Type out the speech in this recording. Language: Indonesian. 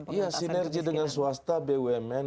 penyelesaian kemiskinan ya sinergi dengan swasta bumn